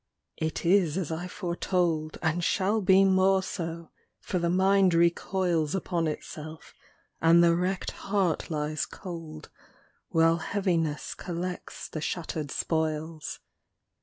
it is as I foretold, And shall be more so; for the mind recoils Upon itself, and the wrecked heart lies cold, While Heaviness collects the shattered spoils.